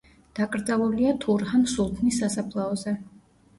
დაკრძალულია თურჰან სულთნის სასაფლაოზე.